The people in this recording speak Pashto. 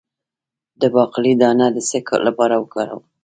د باقلي دانه د څه لپاره وکاروم؟